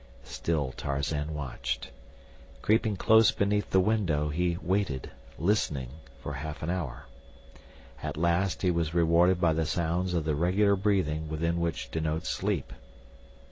Still Tarzan watched. Creeping close beneath the window he waited, listening, for half an hour. At last he was rewarded by the sounds of the regular breathing within which denotes sleep.